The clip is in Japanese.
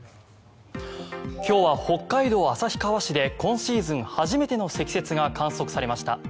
今日は北海道旭川市で今シーズン初めての積雪が観測されました。